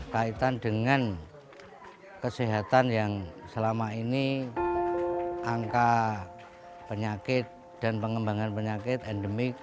kaitan dengan kesehatan yang selama ini angka penyakit dan pengembangan penyakit endemik